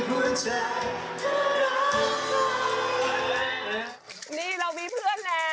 แต่เขาตั้งใจร้องแบบนี้นะ